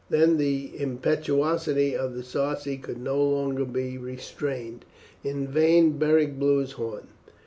Then the impetuosity of the Sarci could no longer be restrained, in vain Beric blew his horn.